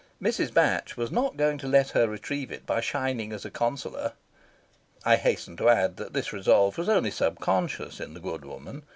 Mrs. Batch was not going to let her retrieve it by shining as a consoler. I hasten to add that this resolve was only sub conscious in the good woman.